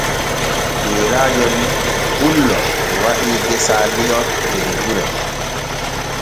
Yeyraajo pullo waɗii gesaa li'o der gure.